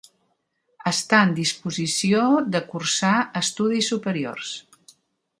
Està en disposició de cursar estudis superiors.